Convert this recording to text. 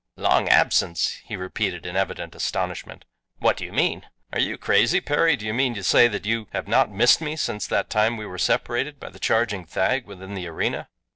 "Long absence!" he repeated in evident astonishment. "What do you mean?" "Are you crazy, Perry? Do you mean to say that you have not missed me since that time we were separated by the charging thag within the arena?"